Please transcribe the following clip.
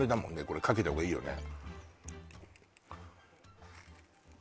これかけたほうがいいよね